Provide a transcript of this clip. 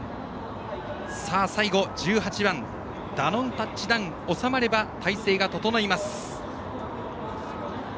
最後、１８番ダノンタッチダウン収まれば、態勢が整います。